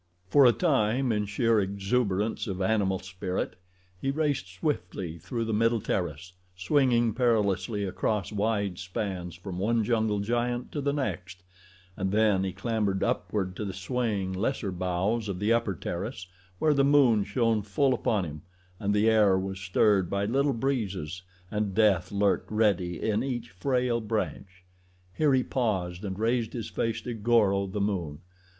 For a time in sheer exuberance of animal spirit he raced swiftly through the middle terrace, swinging perilously across wide spans from one jungle giant to the next, and then he clambered upward to the swaying, lesser boughs of the upper terrace where the moon shone full upon him and the air was stirred by little breezes and death lurked ready in each frail branch. Here he paused and raised his face to Goro, the moon.